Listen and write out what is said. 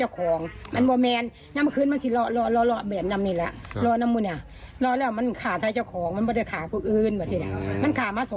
ค่ะอยู่รอบ้านนะ